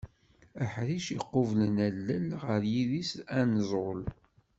Aḥric iqublen allel ɣer yidis anẓul.